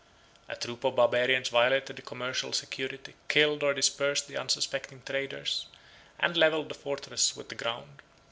A troop of Barbarians violated the commercial security; killed, or dispersed, the unsuspecting traders; and levelled the fortress with the ground.